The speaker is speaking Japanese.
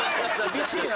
厳しいな。